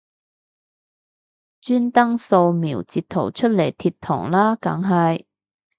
專登掃瞄截圖出嚟貼堂啦梗係